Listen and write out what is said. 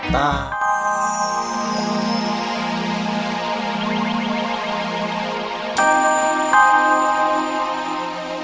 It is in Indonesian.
tak inilah pourtant awal awalnya